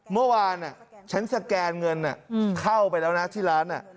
เมื่อวานน่ะฉันสแกนเงินน่ะอืมเข้าไปแล้วนะที่ร้านน่ะ